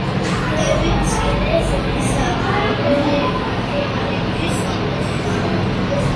ყურები მცირე ზომისაა, მკვრივი, სამკუთხა.